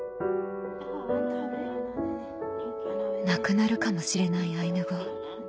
「なくなるかもしれないアイヌ語」